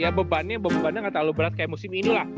ya bebannya beban nya ga terlalu berat kayak musim ini lah